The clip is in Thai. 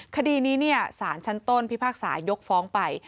คดีนี้สารชั้นต้นพิพากษายกฟ้องไป